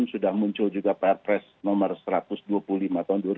sudah muncul juga pr press nomor satu ratus dua puluh lima tahun dua ribu dua